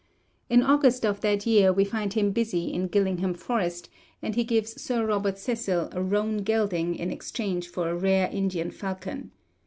In August of that year we find him busy in Gillingham Forest, and he gives Sir Robert Cecil a roan gelding in exchange for a rare Indian falcon.